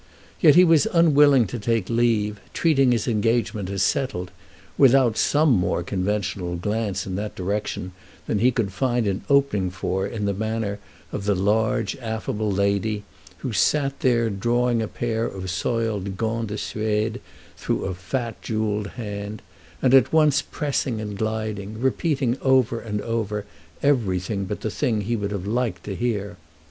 Yet he was unwilling to take leave, treating his engagement as settled, without some more conventional glance in that direction than he could find an opening for in the manner of the large affable lady who sat there drawing a pair of soiled gants de Suède through a fat jewelled hand and, at once pressing and gliding, repeated over and over everything but the thing he would have liked to hear.